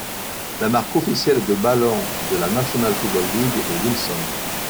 La marque officielle de ballons de la National Football League est Wilson.